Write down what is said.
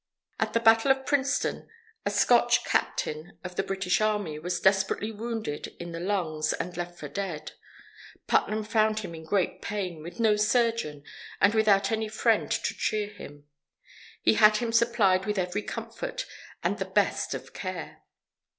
At the Battle of Princeton a Scotch Captain of the British Army was desperately wounded in the lungs and left for dead. Putnam found him in great pain, with no surgeon, and without any friend to cheer him. He had him supplied with every comfort and the best of care.